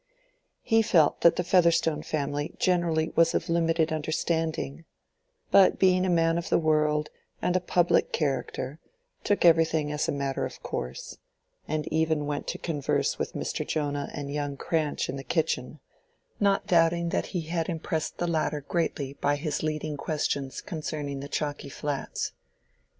He felt that the Featherstone family generally was of limited understanding, but being a man of the world and a public character, took everything as a matter of course, and even went to converse with Mr. Jonah and young Cranch in the kitchen, not doubting that he had impressed the latter greatly by his leading questions concerning the Chalky Flats.